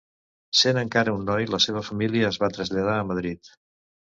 Sent encara un noi la seva família es va traslladar a Madrid.